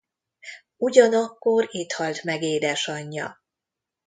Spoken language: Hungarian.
Ugyanakkor itt halt meg édesanyja.